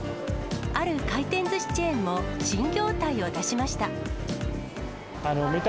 ある回転ずしチェーンも新業態を出しました。